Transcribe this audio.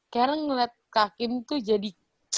karen ngeliat kak kim tuh jadi